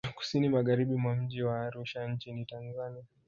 Kusini Magharibi mwa mji wa Arusha nchi ni Tanzania